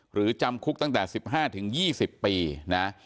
จำคุกตั้งแต่๑๕๒๐ปีนะ